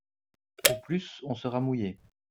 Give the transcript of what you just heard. Au plus on sera mouillé.